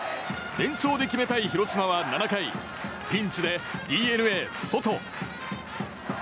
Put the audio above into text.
連勝で決めたい広島は７回ピンチでＤｅＮＡ、ソト。